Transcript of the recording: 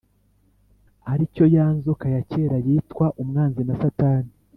ari cyo ya nzoka ya kera yitwa Umwanzi na Satani,